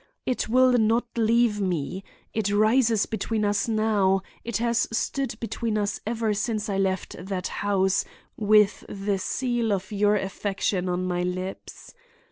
It will not leave me; it rises between us now; it has stood between us ever since I left that house with the seal of your affection on my lips.